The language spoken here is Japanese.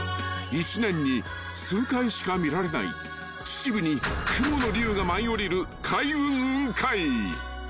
［１年に数回しか見られない秩父に雲の竜が舞い降りる］